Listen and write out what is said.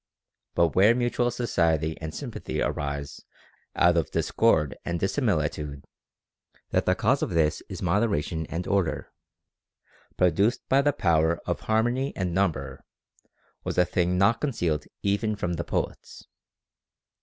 Bui where mutual society and sympathy arise out of discord and dissimilitude, that the cause of this is moderation and order, produced by the power of harmony and number, was a thing not concealed even from the poets.